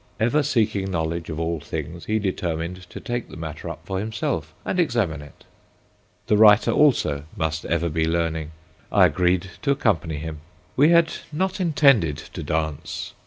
Ever seeking knowledge of all things, he determined to take the matter up for himself and examine it. The writer also must ever be learning. I agreed to accompany him. We had not intended to dance.